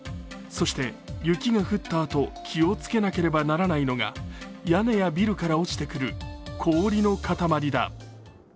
そして、雪が降ったあと気をつけなければならないのが屋根やビルから落ちてくる氷の塊だ。